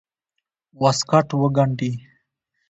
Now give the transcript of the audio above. واسکټ وګنډي.